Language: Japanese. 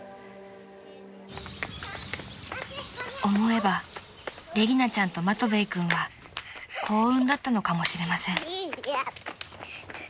［思えばレギナちゃんとマトヴェイ君は幸運だったのかもしれません］